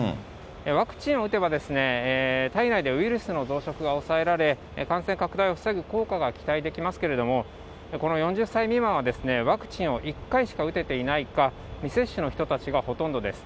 ワクチンを打てば体内でウイルスの増殖が抑えられ、感染拡大を防ぐ効果が期待できますけれども、この４０歳未満はワクチンを１回しか打てていないか、未接種の人たちがほとんどです。